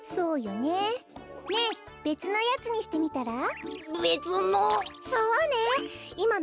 ねえべつのやつにしてみたら？べつの？